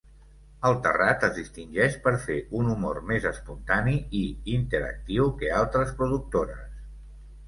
El Terrat es distingeix per fer un humor més espontani i interactiu que altres productores.